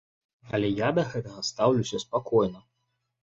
Але я да гэтага стаўлюся спакойна.